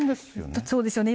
本当、そうですよね。